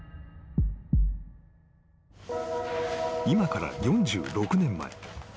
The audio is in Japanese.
［今から４６年前］